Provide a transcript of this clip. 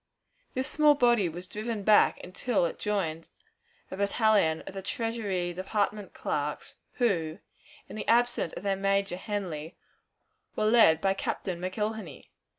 This small body was driven back until it joined a battalion of the Treasury Department clerks, who, in the absence of their major, Henly, were led by Captain McIlhenney.